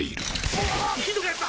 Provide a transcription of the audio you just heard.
うわひどくなった！